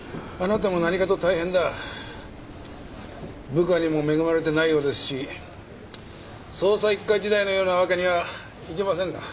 部下にも恵まれてないようですし捜査一課時代のようなわけにはいきませんな。